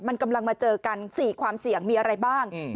มันกำลังมาเจอกัน๔ความเสี่ยงมีอะไรบ้าง